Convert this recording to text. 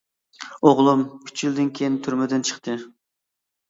ئوغلۇم ئۈچ يىلدىن كىيىن تۈرمىدىن چىقتى.